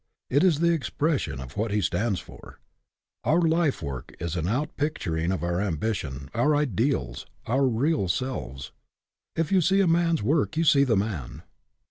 It is the expression of what he stands for. Our life work is an outpictur ing of our ambition, our ideals, our real selves. If you see a man's work you see the man.